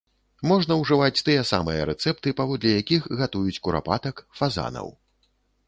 Можна ўжываць тыя самыя рэцэпты, паводле якіх гатуюць курапатак, фазанаў.